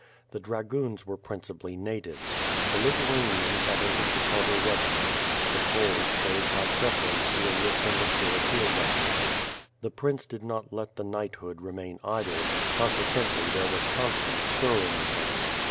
The dragoons were principally natives. The Lithuanians had entered the Tar tar regiments; the Poles chose by preference to enlist in the cuirassier regiments. The prince did not let the knighthood remain idle, consequently there was constant stir in the camp.